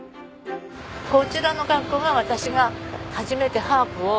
こちらの学校が私が初めてハープを弾いた学校